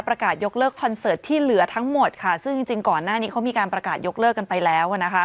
ยกเลิกคอนเสิร์ตที่เหลือทั้งหมดค่ะซึ่งจริงก่อนหน้านี้เขามีการประกาศยกเลิกกันไปแล้วนะคะ